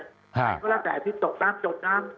ก็แล้วแต่ที่ตกน้ำจมน้ำ